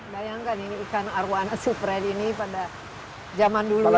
bayangkan ini ikan arowana supred ini pada zaman dulu